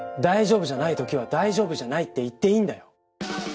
大丈夫じゃない時は大丈夫じゃないって言っていいんだよ。